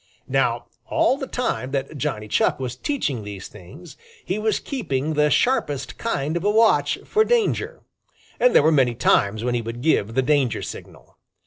Now all the time that Johnny Chuck was teaching these things, he was keeping the sharpest kind of a watch for danger, and there were many times when he would give the danger signal.